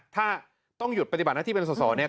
ถ้าต้องหยุดปฏิบัติหน้าที่เป็นสอสอเนี่ย